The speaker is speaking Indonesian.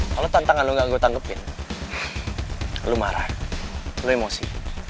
kalau tantangan lo gak gue tanggupin lo marah lo emosi